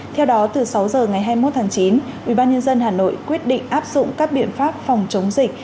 theo đó từ sáu giờ ngày hai mươi một tháng chín ubnd hà nội quyết định áp dụng các biện pháp phòng chống dịch